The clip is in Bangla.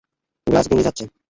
গ্লাস ভেঙে যাচ্ছে!